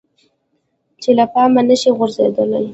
چې له پامه نشي غورځیدلی.